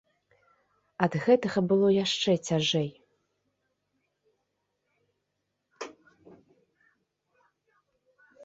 Ад гэтага было яшчэ цяжэй.